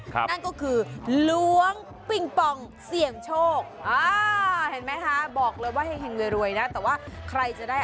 กลองแกล้งกลองแกล้งเอาดูไปพร้อมกันนะ